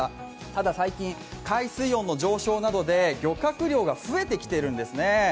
ただ、最近、海水温の上昇などで漁獲量が増えてきているんです。